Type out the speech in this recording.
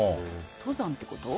登山ってこと？